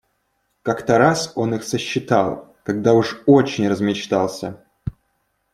Как-то раз он их сосчитал, когда уж очень размечтался.